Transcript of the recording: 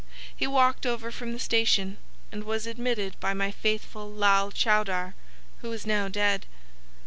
He walked over from the station, and was admitted by my faithful old Lal Chowdar, who is now dead.